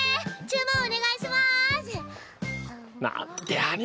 注文お願いします！